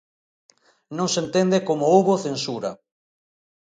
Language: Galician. Non se entende como houbo censura.